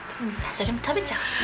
それも食べちゃおう。